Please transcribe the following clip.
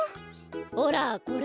ほらこれ！